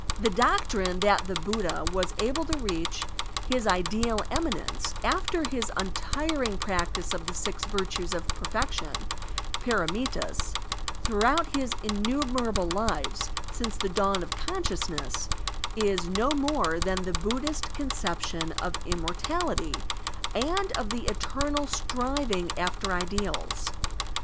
The doctrine that the Buddha was able to reach his ideal eminence after his tmtiring practice of the six virtues of perfection (pdramitdsY throughout his innumerable lives since the dawn of consciousness, is no more than the Buddhist conception of immortality and of the eternal striving after ideals.